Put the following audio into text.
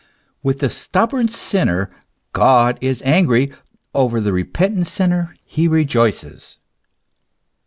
With the stubborn sinner God is angry; over the repentant sinner he rejoices.